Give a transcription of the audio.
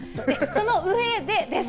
その上でです。